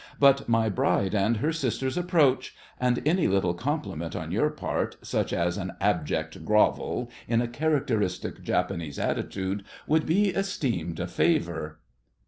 But my bride and her sisters approach, and any little compliment on your part, such as an abject grovel in a characteristic Japanese attitude, would be esteemed a favour.